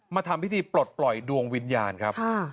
ทำพิธีปลดปล่อยดวงวิญญาณครับ